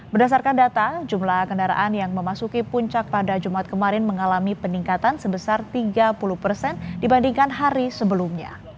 berdasarkan data jumlah kendaraan yang memasuki puncak pada jumat kemarin mengalami peningkatan sebesar tiga puluh persen dibandingkan hari sebelumnya